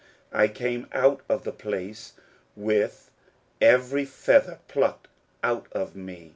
I came out of the place with every feather plucked out of me.